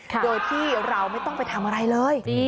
โดยที่เราไม่ต้องไปทำอะไรเลย